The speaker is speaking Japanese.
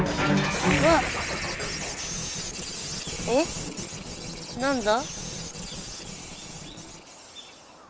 えっ何だ？